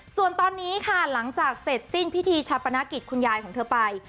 ส่วนตอนนี้ค่ะหลังจากเสร็จสิ้นพิธีชาปนกิจคุณยายของเธอไป